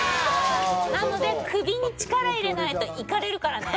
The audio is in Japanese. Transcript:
なので首に力入れないといかれるからね。